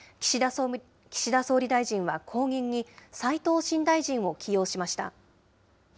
岸田総理大臣は、後任に、斎藤新大臣を起用しました。